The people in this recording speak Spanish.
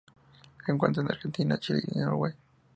Se encuentra en la Argentina, Chile y en Uruguay.